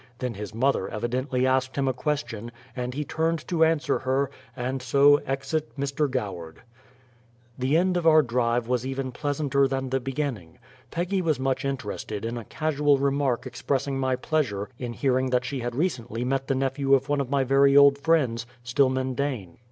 Then his mother evidently asked him a question, and he turned to answer her, and so EXIT Mr. Goward. The end of our drive was even pleasanter than the beginning. Peggy was much interested in a casual remark expressing my pleasure in hearing that she had recently met the nephew of one of my very old friends, Stillman Dane.